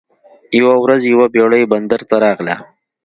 یوه ورځ یوه بیړۍ بندر ته راغله.